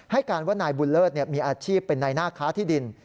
ให้การว่านายบุญเลิศมีอาชีพเป็นนายหน้าค้าที่ดิน